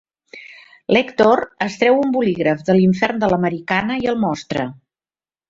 L'Èctor es treu un bolígraf de l'infern de l'americana i el mostra.